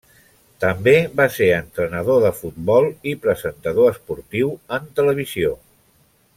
També va ser entrenador de futbol i presentador esportiu en televisió.